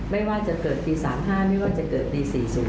ไม่ว่าจะเกิดปี๓๕ไม่ว่าจะเกิดปี๔๐